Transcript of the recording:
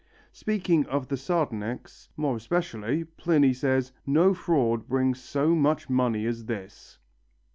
Speaking of the sardonyx, more especially, Pliny says, "no fraud brings so much money as this."